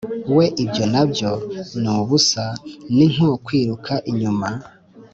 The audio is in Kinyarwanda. we Ibyo na byo ni ubusa ni nko kwiruka inyuma